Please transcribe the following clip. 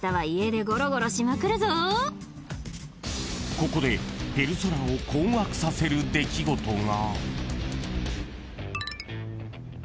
［ここでペルソナを困惑させる出来事が］